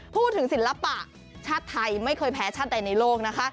ศิลปะชาติไทยไม่เคยแพ้ชาติใดในโลกนะคะ